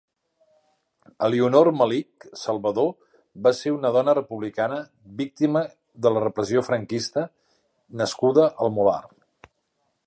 Elionor Malich Salvador va ser una dona republicana víctima de la Repressió Franquista nascuda al Molar.